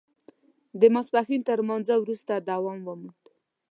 د ماسپښین تر لمانځه وروسته دوام وموند.